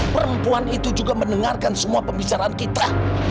perempuan itu juga mendengarkan semua pembicaraan kita